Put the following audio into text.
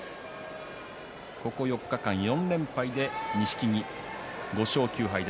ここ４日間、４連敗で錦木５勝９敗。